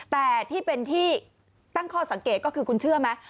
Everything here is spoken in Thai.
แต่ที่เป็นที่ตั้งข้อสังเกตก็คือคุณเชื่อไหม